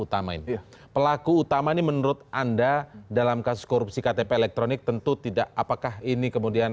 utama ini pelaku utama ini menurut anda dalam kasus korupsi ktp elektronik tentu tidak apakah ini kemudian